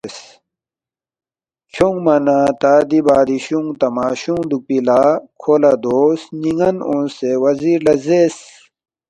کھیونگما نہ تا دی بادشونگ تماشونگ دُوکپی لا کھو لہ دو سن٘یان اونگسے وزیر لہ زیرس،